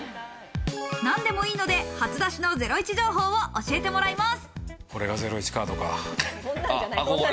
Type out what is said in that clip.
何でもいいので初出しのゼロイチ情報を教えてもらいます。